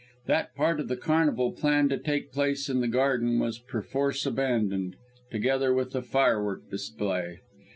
That part of the carnival planned to take place in the garden was perforce abandoned, together with the firework display.